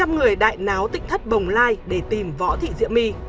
người đại náo tịch thất bồng lai để tìm võ thị diễm my